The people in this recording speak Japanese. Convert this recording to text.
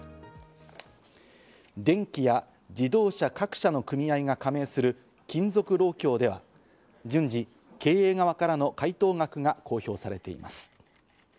電機や自動車各社の組合が加盟する金属労協では順次、経営側からの回答額が公表されています。